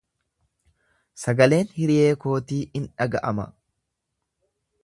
Sagaleen hiriyee kootii in dhaga'ama.